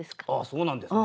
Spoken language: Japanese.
そうなんですね。